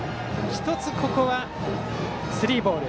１つ、ここはスリーボール。